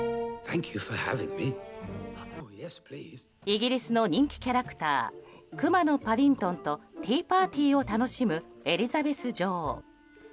イギリスの人気キャラクターくまのパディントンとティーパーティーを楽しむエリザベス女王。